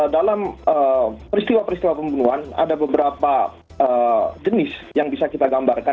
dalam peristiwa peristiwa pembunuhan ada beberapa jenis yang bisa kita gambarkan